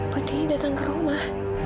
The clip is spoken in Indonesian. butini datang ke rumah